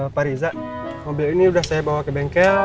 parija mobil ini udah saya bawa ke bengkel